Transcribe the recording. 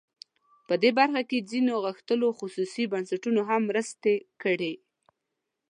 په دې برخه کې ځینو غښتلو خصوصي بنسټونو هم مرستې کړي.